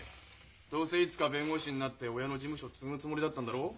どうせいつか弁護士になって親の事務所を継ぐつもりだったんだろう？